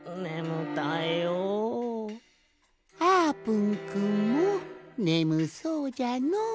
あーぷんくんもねむそうじゃのう。